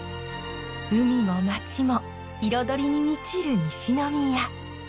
海も町も彩りに満ちる西宮。